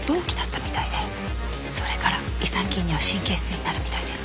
それから違算金には神経質になるみたいです。